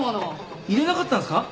入れなかったんすか？